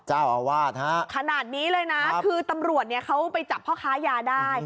เจ้าอาวาสฮะขนาดนี้เลยนะคือตำรวจเนี่ยเขาไปจับพ่อค้ายาได้